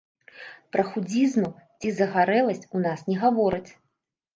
Пра худзізну, ці загарэласць у нас не гавораць.